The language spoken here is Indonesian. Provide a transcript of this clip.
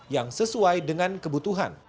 yang sesuai dengan kebutuhan